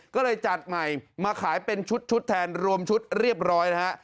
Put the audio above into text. ก็เลยจัดใหม่มาขายเป็นชุดแทนรวมชุดเรียบร้อยนะฮะ